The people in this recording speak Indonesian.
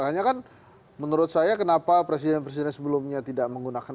hanya kan menurut saya kenapa presiden presiden sebelumnya tidak menggunakan